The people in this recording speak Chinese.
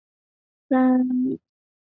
玛蒂达想帮助哈妮小姐。